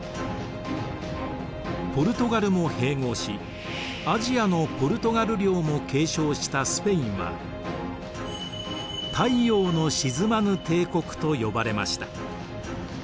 ポルトガルも併合しアジアのポルトガル領も継承したスペインは「太陽の沈まぬ帝国」と呼ばれました。